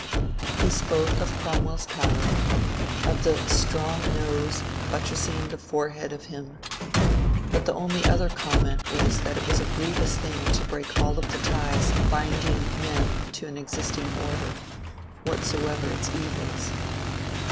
He spoke of Cromwell's power, of the strong nose ^^buttressing the forehead of him," but the only other comment was that it was a grievous thing to break all of the ties binding men to an existing order, whatsoever its evils.